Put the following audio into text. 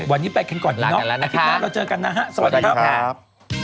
วันนี้ไปแค่ก่อนดีน้องลาดกันแล้วนะครับอาทิตย์หน้าเราเจอกันนะฮะสวัสดีครับ